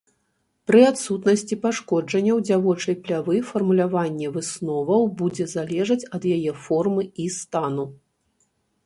Пры адсутнасці пашкоджанняў дзявочай плявы фармуляванне высноваў будзе залежаць ад яе формы і стану.